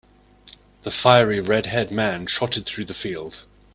The fiery red-haired man trotted through the field.